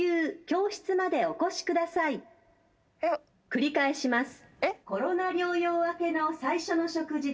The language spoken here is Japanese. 繰り返します。